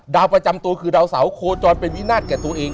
ประจำตัวคือดาวเสาโคจรเป็นวินาศแก่ตัวเอง